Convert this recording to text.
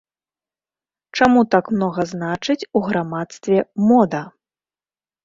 Чаму так многа значыць у грамадстве мода?